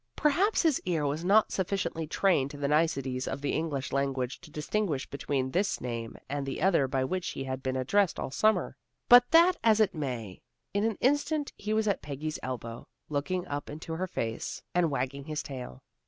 Perhaps his ear was not sufficiently trained to the niceties of the English language to distinguish between this name and the other by which he had been addressed all summer. Be that as it may, in an instant he was at Peggy's elbow, looking up into her face, and wagging his tail.